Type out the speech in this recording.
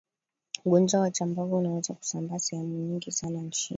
Ugonjwa wa chambavu unaweza kusambaa sehemu nyingi sana nchini